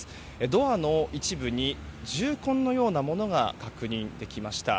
ドアの一部に銃痕のようなものが確認できました。